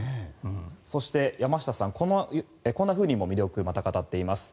そして、山下さんこんなふうにも魅力を語っています。